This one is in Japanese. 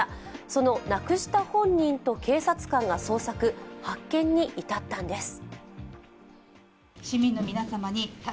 その亡くした本人と警察官が捜索、発見に至ったんです。